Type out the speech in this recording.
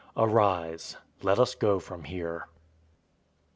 Arise, let us go from here.